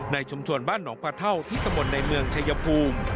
ชุมชนบ้านหนองพะเท่าที่ตะมนต์ในเมืองชายภูมิ